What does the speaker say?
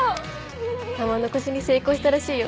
玉の輿に成功したらしいよ。